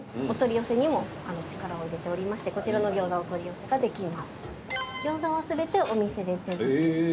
お取り寄せにも力を入れておりましてこちらの餃子お取り寄せができます。